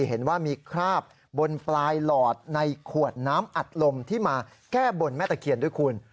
เห็นว่ามีคราบบนปลายหลอดในขวดน้ำอัดลมที่มาแก้บนแม่ตะเคียนด้วยคุณ